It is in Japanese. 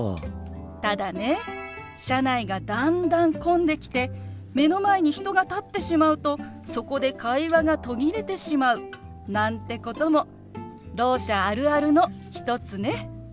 ただね車内がだんだん混んできて目の前に人が立ってしまうとそこで会話が途切れてしまうなんてこともろう者あるあるの一つね。